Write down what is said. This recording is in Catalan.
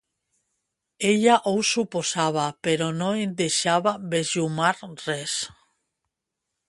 Ella ho suposava però no en deixava besllumar res.